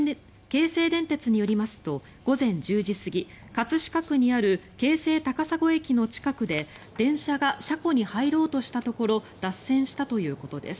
京成電鉄によりますと午前１０時過ぎ葛飾区にある京成高砂駅の近くで電車が車庫に入ろうとしたところ脱線したということです。